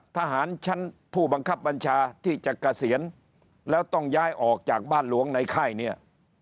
ทหารชั้นผู้บังคับบัญชาที่จะเกษียณแล้วต้องย้ายออกจากบ้านหลวงในค่ายเนี่ย